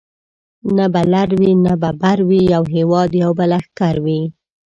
نه به لر وي نه به بر وي یو هیواد یو به لښکر وي